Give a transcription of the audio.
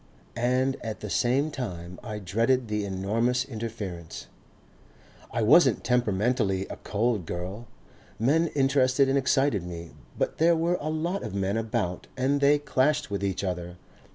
And at the same time I dreaded the enormous interference.... "I wasn't temperamentally a cold girl. Men interested and excited me, but there were a lot of men about and they clashed with each other.